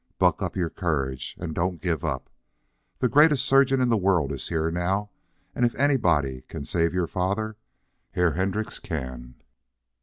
Bluck up your courage, und doan't gif up. Der greatest surgeon in der vorld is here now, und if anybody gan safe your vater, Herr Hendriz gan.